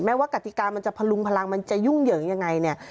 ไม่ว่ากฎิกามันจะพลุงพลังมันจะยุ่งเหยิงอย่างไร